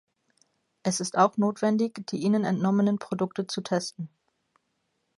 Es ist auch notwendig, die ihnen entnommenen Produkte zu testen.